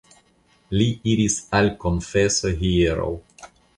Li iris al konfeso hieraŭ.